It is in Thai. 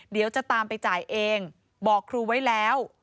เดี๋ยวจะตามไปจ่ายเองบอกครูไว้แล้ว